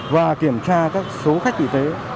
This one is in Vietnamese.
và kiểm tra các số khách kỷ tế